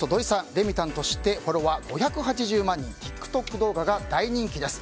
レミたんとしてフォロワー５８０万人ＴｉｋＴｏｋ動画が大人気です。